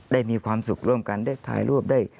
ได้มีความสุขร่วมกันได้ถ่ายรูปได้